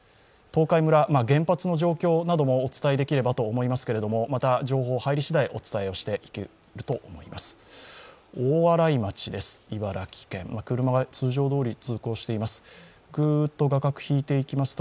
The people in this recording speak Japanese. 東海村、原発の状況などもお伝えできればと思いますけどもまた情報が入りしだい、お伝えしていけると思います。